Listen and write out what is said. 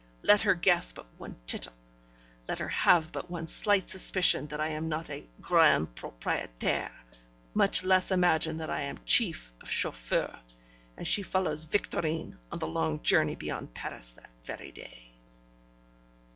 Let her guess but one tittle, let her have but one slight suspicion that I am not a "grand propriétaire," much less imagine that I am a chief of chauffeurs, and she follows Victorine on the long journey beyond Paris that very day.'